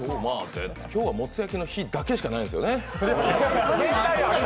今日はもつ焼きの日だけしかないんですね。